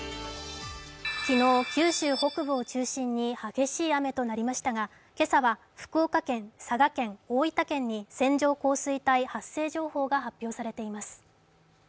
昨日、九州北部を中心に激しい雨となりましたが今朝は福岡県、佐賀県、大分県に線状降水帯発生情報が発表されています。